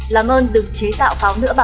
làm ơn được chế tạo pháo nửa bản